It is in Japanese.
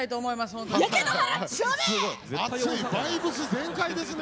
バイブス全開ですね！